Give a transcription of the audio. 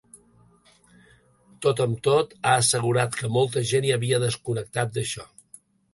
Tot amb tot, ha assegurat que ‘molta gent ja havia desconnectat d’això’.